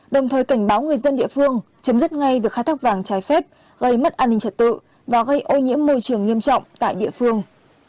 đồng thời cảnh báo người dân địa phương chấm dứt ngay việc khai thác vàng trái phép gây mất an ninh trật tự và gây ô nhiễm môi trường nghiêm trọng tại địa phương